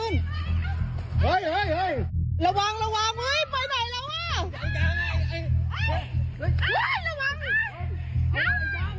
มาทางนี้ลูก